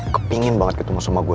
kepingin banget ketemu sama gue